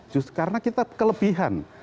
justru karena kita kelebihan